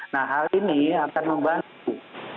nah hal ini akan membantu